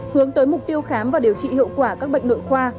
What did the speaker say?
hướng tới mục tiêu khám và điều trị hiệu quả các bệnh nội khoa